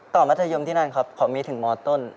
มัธยมที่นั่นครับเขามีถึงมต้น